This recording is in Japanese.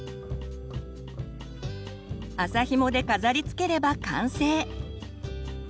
麻ひもで飾りつければ完成！